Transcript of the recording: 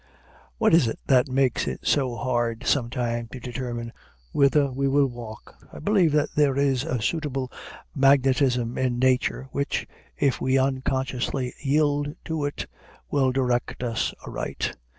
What is it that makes it so hard sometimes to determine whither we will walk? I believe that there is a subtile magnetism in Nature, which, if we unconsciously yield to it, will direct us aright.